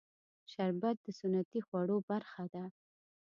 شربت د سنتي خوړو برخه ده